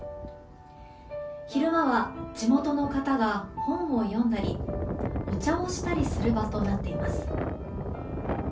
昼間は地元の方が本を読んだりお茶をしたりする場となっています。